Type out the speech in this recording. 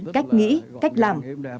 cách nghĩ cách làm có thể làm được